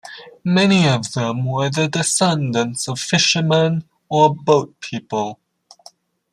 Many of them were the descendants of fishermen or boat people.